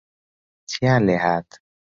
چییان لێهات